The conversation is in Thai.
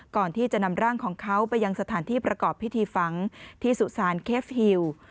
ก่อนที่จะนำร่างของเขาไปยังสถานที่ประกอบพิธีฝังที่สุสานเคฟฮิว